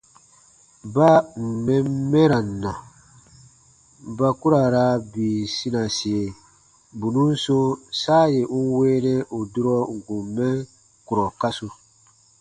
Baa ǹ n mɛn mɛran na, ba ku ra raa bii sinasie bù nùn sɔ̃ɔ saa yè n weenɛ ù durɔ n kùn mɛ kurɔ kasu.